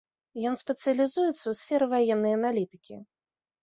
Ён спецыялізуецца ў сферы ваеннай аналітыкі.